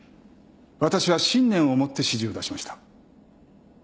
私は信念を持って指示を出しました。